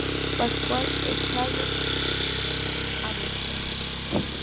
Pascual Echagüe, Av.